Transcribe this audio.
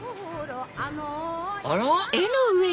あら？